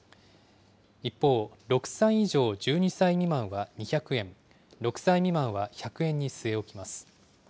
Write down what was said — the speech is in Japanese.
一方、６歳以上１２歳未満は２００円、６歳未満は１００円に据え置きます。